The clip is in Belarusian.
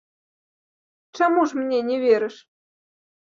Чаму ж мне не верыш?